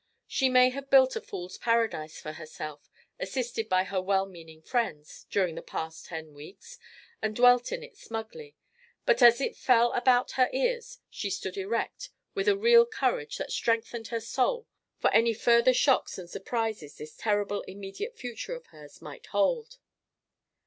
She may have built a fool's paradise for herself, assisted by her well meaning friends, during the past ten weeks, and dwelt in it smugly; but as it fell about her ears she stood erect with a real courage that strengthened her soul for any further shocks and surprises this terrible immediate future of hers might hold.